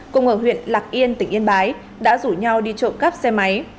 cùng ở huyện lạc yên tỉnh yên bái đã rủ nhau đi trộm cắp xe máy